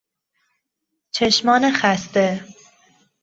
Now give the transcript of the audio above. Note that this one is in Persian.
چشمان خسته